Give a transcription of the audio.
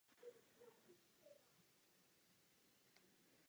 Vychází s dětmi zpravidla velmi dobře.